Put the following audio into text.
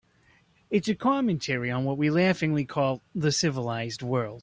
It's a commentary on what we laughingly call the civilized world.